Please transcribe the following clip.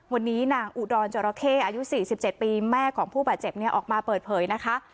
วันนี้นางอุดรจราเข้อายุ๔๗ปีแม่ของผู้บาดเจ็บเนี่ยออกมาเปิดเผยนะคะ